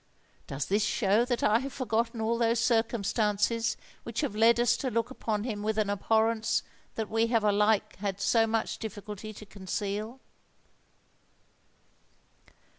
Does this show that I have forgotten all those circumstances which have led us to look upon him with an abhorrence that we have alike had so much difficulty to conceal?"